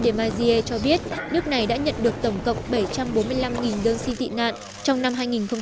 de maizière cho biết nước này đã nhận được tổng cộng bảy trăm bốn mươi năm đơn xin tị nạn trong năm hai nghìn một mươi sáu